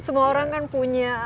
semua orang kan punya